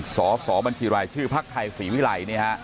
สสบัญชีรายชื่อภักดิ์ไทยศรีวิรัย